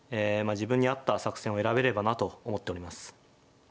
あ自分に合った作戦を選べればなと思っております。